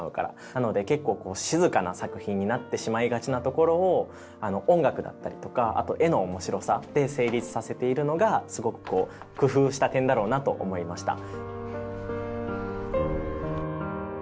なので結構こう静かな作品になってしまいがちなところを音楽だったりとかあと画の面白さで成立させているのがすごくこう工夫した点だろうなと思いました。